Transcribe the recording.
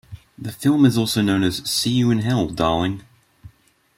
The film is also known as "See You in Hell, Darling".